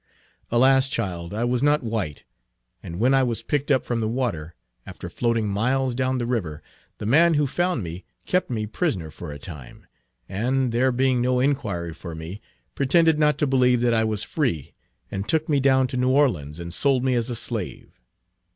"Alas, child! I was not white, and when I was picked up from the water, after floating miles down the river, the man who found me kept me prisoner for a time, and, there being no inquiry for me, pretended not to believe that I was free, and took me down to New Orleans and sold me as a slave.